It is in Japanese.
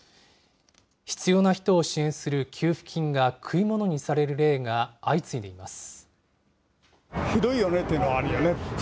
必要な人を支援する給付金が食い物にされる例が相次いでいます。